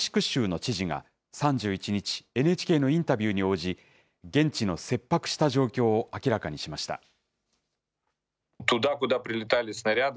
州の知事が３１日、ＮＨＫのインタビューに応じ、現地の切迫した状況を明らかにしました。